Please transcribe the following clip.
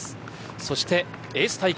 そしてエース対決。